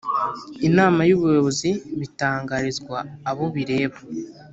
Inama y Ubuyobozi bitangarizwa abo bireba